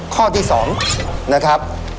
ข้อที่๒นะครับ